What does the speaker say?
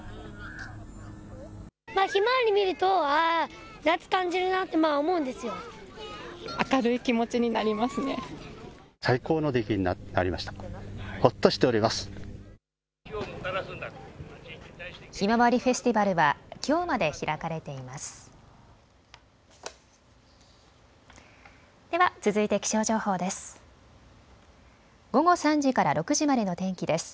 ひまわりフェスティバルはきょうまで開かれています。